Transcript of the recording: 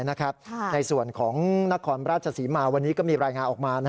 ในส่วนของนครราชศรีมาวันนี้ก็มีรายงานออกมา